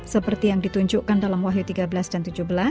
seperti yang ditunjukkan dalam wahyu tiga belas dan tujuh belas